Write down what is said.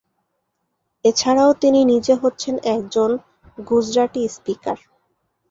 এছাড়াও তিনি নিজে হচ্ছেন একজন গুজরাটি স্পিকার।